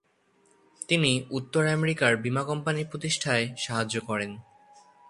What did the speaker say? তিনি উত্তর আমেরিকার বীমা কোম্পানি প্রতিষ্ঠায় সাহায্য করেন।